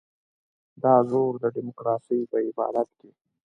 دا زور د ډیموکراسۍ په عبادت کې.